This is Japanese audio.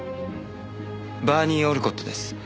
バーニー・オルコットです。